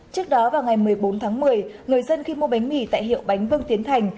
trước đó vào ngày một mươi bốn tháng một mươi người dân khi mua bánh mì tại hiệu bánh vương tiến thành